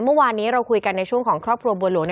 เมื่อวานนี้เราคุยกันในช่วงของครอบครัวบัวหลวง